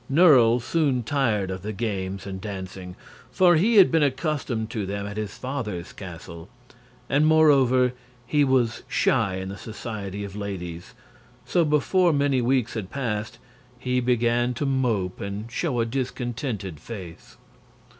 Nerle soon tired of the games and dancing, for he had been accustomed to them at his father's castle; and moreover he was shy in the society of ladies; so before many weeks had passed he began to mope and show a discontented face.